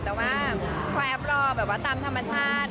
แต่ว่าคอยแอปรอแบบว่าตามธรรมชาติ